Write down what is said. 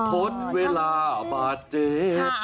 ทดเวลาบาดเจ็บ